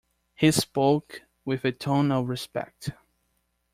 He spoke with a tone of respect.